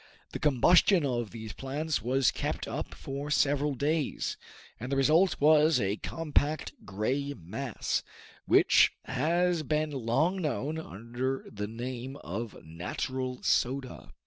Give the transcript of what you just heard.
The combustion of these plants was kept up for several days, and the result was a compact gray mass, which has been long known under the name of "natural soda."